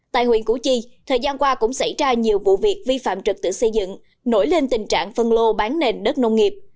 tại huyện củ chi thời gian qua cũng xảy ra nhiều vụ việc vi phạm trật tự xây dựng nổi lên tình trạng phân lô bán nền đất nông nghiệp